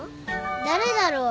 誰だろう？